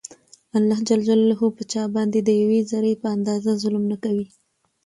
الله په چا باندي د يوې ذري په اندازه ظلم نکوي